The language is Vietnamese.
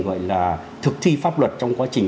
gọi là thực thi pháp luật trong quá trình